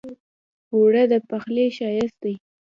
اوړه د پخلي ښايست دی